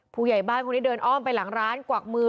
ผู้ใหญ่บ้านคนนี้เดินอ้อมไปหลังร้านกวักมือ